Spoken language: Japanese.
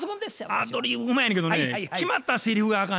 アドリブうまいんやけどね決まったセリフがあかんねん。